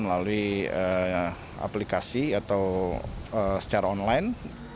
melalui aplikasi atau secara online